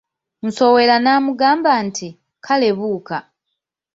Nsowera n'amugamba nti, kale buuka!